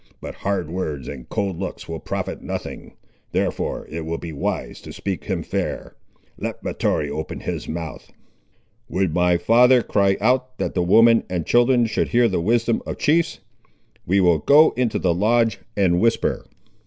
But hard words and cold looks will profit nothing; therefore it will be wise to speak him fair. Let Mahtoree open his mouth." "Would my father cry out, that the women and children should hear the wisdom of chiefs! We will go into the lodge and whisper."